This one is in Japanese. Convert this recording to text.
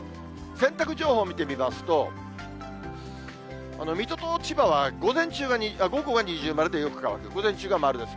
洗濯情報見てみますと、水戸と千葉は午後は二重丸でよく乾く、ほかは丸です。